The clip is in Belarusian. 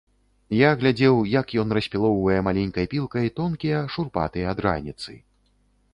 Я глядзеў, як ён распілоўвае маленькай пілкай тонкія шурпатыя драніцы.